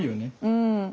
うん。